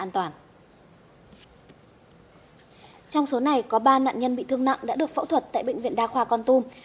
trong số này có ba nạn nhân bị thương nặng đã được phẫu thuật tại bệnh viện đa khoa con tum